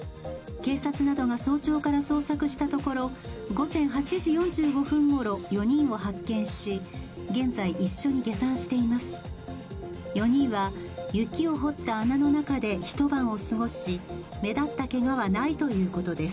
警察などが早朝から捜索したところ、午前８時４５分ごろ、４人を発見し、現在、一緒に下山しています。